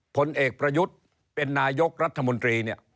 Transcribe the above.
ผลเอกประยุทธ์เป็นนายกรัฐมนตรีเนี่ย